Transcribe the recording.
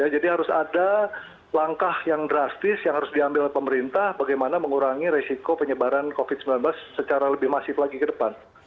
jadi harus ada langkah yang drastis yang harus diambil oleh pemerintah bagaimana mengurangi risiko penyebaran covid sembilan belas secara lebih masif lagi ke depan